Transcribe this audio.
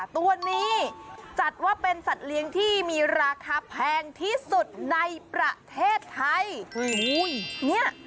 ตัวนี้จัดว่าเป็นสัตว์เลี้ยงที่มีราคาแพงที่สุดในประเทศไทย